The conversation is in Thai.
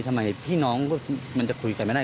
พี่น้องมันจะคุยกันไม่ได้